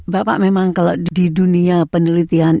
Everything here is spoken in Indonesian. bapak memang kalau di dunia penelitian